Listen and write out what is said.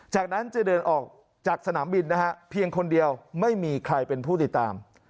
จากนั้นจะเดินออกจากสนามบินนะฮะเพียงคนเดียวไม่มีใครเป็นผู้ติดตาม